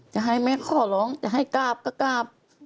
จะให้แม่ขอร้องจะให้กราบก็กราบ